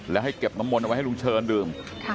แล้วให้เก็บน้ำมนต์เอาไว้ให้ลุงเชิญดื่ม